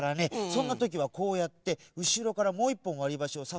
そんなときはこうやってうしろからもう１ぽんわりばしをさすでしょ。